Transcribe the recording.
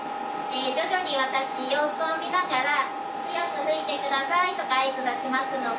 徐々に私様子を見ながら「強く吹いてください」とか合図出しますので。